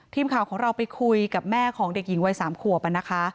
ทีมข่าวของเราไปคุยกับแม่ของเด็กหญิงวัย๓ขวบนะคะ